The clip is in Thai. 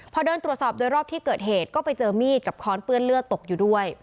พอเดินตรวจสอบโดยรอบที่เกิดเหตุก็ไปเจอมีดกับค้อนเปื้อนเลือดตกอยู่ด้วย